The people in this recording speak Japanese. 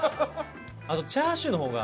あとチャーシューの方が。